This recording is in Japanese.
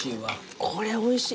これおいしい。